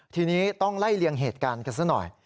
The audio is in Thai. ทีนี้ต้องไล่เลี่ยงเหตุการณ์กันซะหน่อย